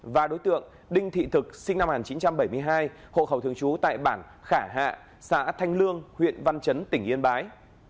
và đối tượng đinh thị thực sinh năm một nghìn chín trăm bảy mươi hai hộ khẩu thường trú tại bản khả hạ xã thanh lương huyện văn chấn tỉnh yên bái